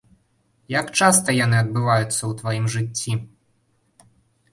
Як часта яны адбываюцца ў тваім жыцці?